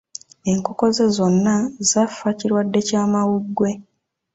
Enkoko ze zonna zaafa kirwadde ky'amawuggwe.